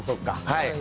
はい。